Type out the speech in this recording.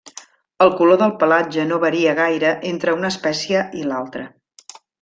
El color del pelatge no varia gaire entre una espècie i l'altra.